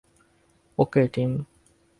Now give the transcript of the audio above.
ওকে, team.